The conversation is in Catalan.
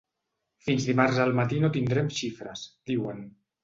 Fins dimarts al matí no tindrem xifres, diuen.